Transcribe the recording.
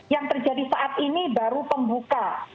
yang terjadi saat ini baru pembuka